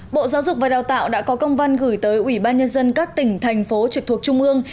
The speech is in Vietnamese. bộ giáo dục và đào tạo đã có công văn gửi tới ủy ban nhân dân các tỉnh thành phố trực thuộc trung ương